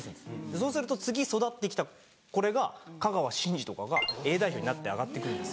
そうすると次育って来たこれが香川真司とかがＡ代表になって上がって来るんです。